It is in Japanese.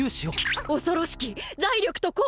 恐ろしき財力と行動力！